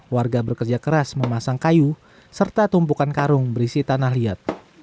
warga bekerja keras memasang kayu serta tumpukan karung berisi tanah liat